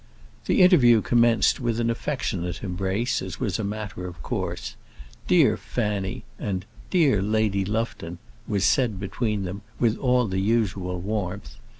The interview commenced with an affectionate embrace, as was a matter of course. "Dear Fanny," and "Dear Lady Lufton," was said between them with all the usual warmth.